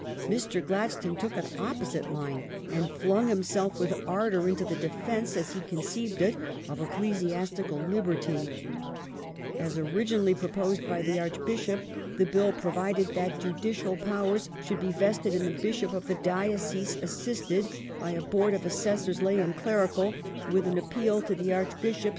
^ Mr. Glad stone took an opposite line and flung himself with ardour into the defence, as he conceived it, of ecclesiastical liberty. As originally proposed by the Archbishop, the Bill provided that judicial powers should be vested in the Bishop of the diocese assisted by a Board of Assessors, lay and clerical, with an appeal to the Archbishop, 1 Dating from the beginning of the ten years' conflict.